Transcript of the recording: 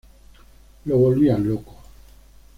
Lo volvían loco.